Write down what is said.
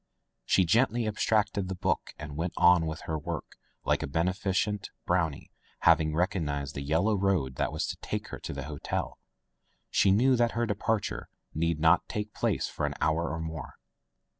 She gently abstracted the book and went on with her work like a beneficent brownie. Having recognized the yellow road that was to take her to the hotel, she knew that her departure need not take place for an hour or more.